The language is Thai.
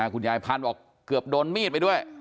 คุณยายฟัดบอกว่าเกือบโดนมีดไปด้วย